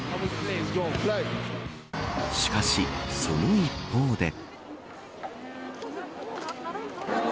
しかし、その一方で。